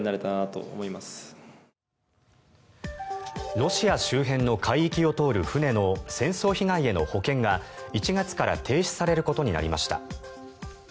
ロシア周辺の海域を通る船の戦争被害への保険が１月から停止されることになりました。